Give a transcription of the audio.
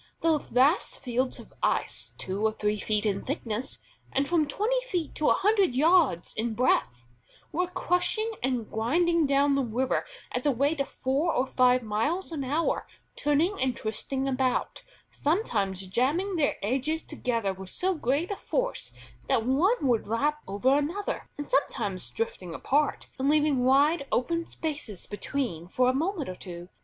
The vast fields of ice, two or three feet in thickness, and from twenty feet to a hundred yards in breadth, were crushing and grinding down the river at the rate of four or five miles an hour, turning and twisting about, sometimes jamming their edges together with so great a force that one would lap over another, and sometimes drifting apart and leaving wide open spaces between for a moment or two.